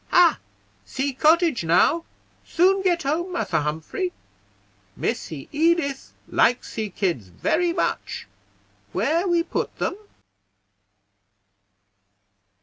Hah! see cottage now; soon get home, Massa Humphrey. Missy Edith like see kids very much. Where we put them?"